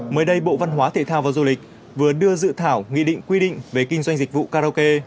mới đây bộ văn hóa thể thao và du lịch vừa đưa dự thảo nghị định quy định về kinh doanh dịch vụ karaoke